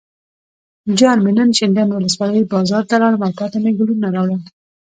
جان مې نن شینډنډ ولسوالۍ بازار ته لاړم او تاته مې ګلونه راوړل.